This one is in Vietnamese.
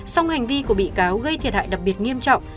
song hành vi của bị cáo gây thiệt hại đặc biệt nghiêm trọng